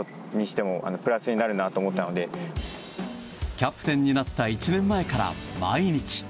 キャプテンになった１年前から毎日。